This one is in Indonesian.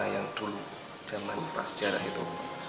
yang dulu zaman prasejarah itu